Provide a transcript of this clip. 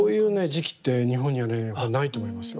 磁器って日本にはねないと思いますよ。